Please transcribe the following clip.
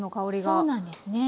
そうなんですね。